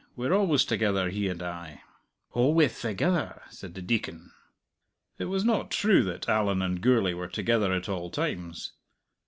"We're always together, he and I." "Alwayth thegither!" said the Deacon. It was not true that Allan and Gourlay were together at all times.